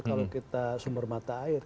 kalau kita sumber mata air